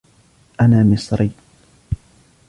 أنا مصري